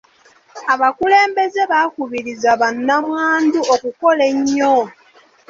Abakulembeze bakubirizza ba nnamwandu okukola ennyo.